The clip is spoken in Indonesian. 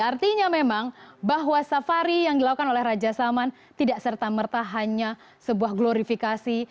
artinya memang bahwa safari yang dilakukan oleh raja salman tidak serta merta hanya sebuah glorifikasi